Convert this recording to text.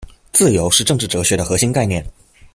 自由是政治哲学的核心概念。